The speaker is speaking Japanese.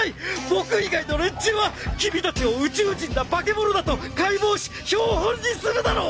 僕以外の連中は君たちを宇宙人だ化け物だと解剖し標本にするだろう！